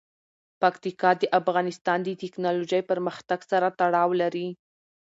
پکتیکا د افغانستان د تکنالوژۍ پرمختګ سره تړاو لري.